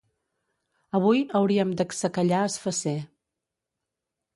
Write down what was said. Avui hauríem d'exsecallar es fasser.